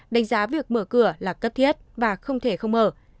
đánh giá việc mở cửa là cấp thiết và không thể không mở